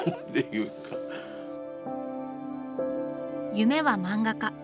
夢は漫画家。